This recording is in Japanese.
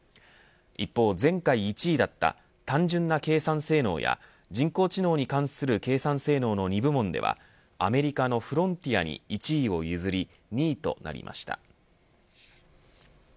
一方、前回１位だった単純な計算性能や、人工知能に関する計算性能の２部門ではアメリカのフロンティアに１位を譲り２位となりました。